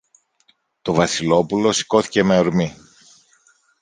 Το Βασιλόπουλο σηκώθηκε με ορμή